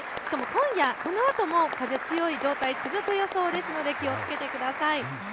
今夜このあとも風が強い状態、続く予想ですので気をつけてください。